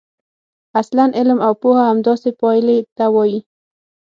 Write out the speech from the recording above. اصلاً علم او پوهه همداسې پایلې ته وايي.